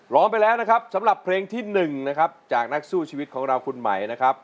ร้องไปแล้วนะครับสำหรับเพลงที่๑นะครับจากนักสู้ชีวิตของเราคุณไหมนะครับ